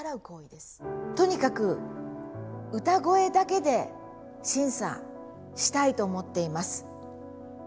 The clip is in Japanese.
とにかく歌声だけで審査したいと思っています。